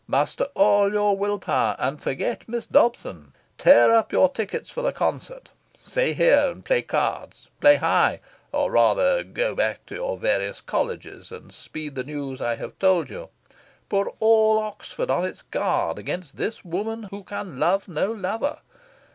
Muster all your will power, and forget Miss Dobson. Tear up your tickets for the concert. Stay here and play cards. Play high. Or rather, go back to your various Colleges, and speed the news I have told you. Put all Oxford on its guard against this woman who can love no lover.